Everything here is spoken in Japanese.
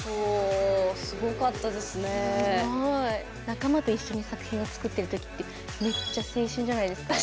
仲間と一緒に作品を作ってる時ってめっちゃ青春じゃないですか。